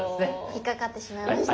引っかかってしまいました。